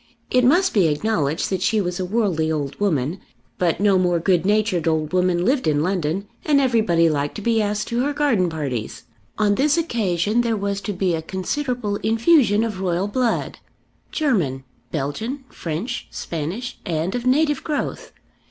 It must be acknowledged that she was a worldly old woman. But no more good natured old woman lived in London, and everybody liked to be asked to her garden parties. On this occasion there was to be a considerable infusion of royal blood, German, Belgian, French, Spanish, and of native growth.